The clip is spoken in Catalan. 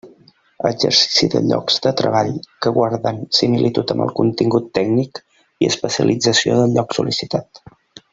Exercici de llocs de treball que guarden similitud amb el contingut tècnic i especialització del lloc sol·licitat.